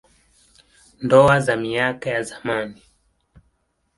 Ndoa za miaka ya zamani.